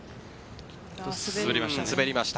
滑りました。